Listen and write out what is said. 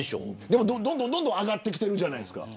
でも、どんどん上がってるじゃないですか。